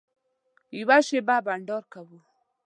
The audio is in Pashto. یوه شېبه بنډار کوو.